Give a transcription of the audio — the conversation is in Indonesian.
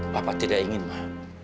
bapak tidak ingin ma